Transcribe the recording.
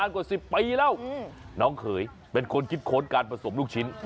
น้องเขยเป็นคนคิดโค้ดการผสมลูกชิ้น